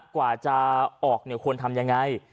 กว่าจะออกควรทำยังไง